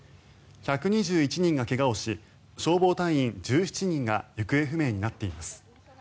１２１人がけがをし消防隊員１７人が行方不明になっています。